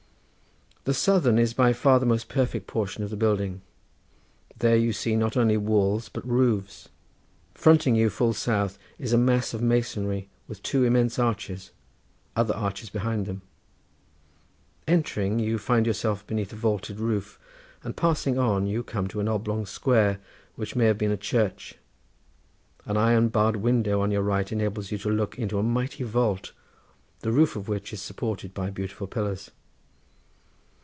The southern is by far the most perfect portion of the building; there you see not only walls but roofs. Fronting you full south, is a mass of masonry with two immense arches, other arches behind them: entering, you find yourself beneath a vaulted roof, and passing on you come to an oblong square which may have been a church; an iron barred window on your right enables you to look into a mighty vault, the roof of which is supported by beautiful pillars.